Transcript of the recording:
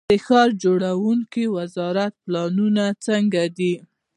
د ښار جوړونې وزارت پلانونه څنګه دي؟